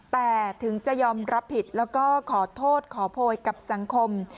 แต่ถึงจะยอมรับผิดแล้วก็ขอโทษขอโพยกับสังคม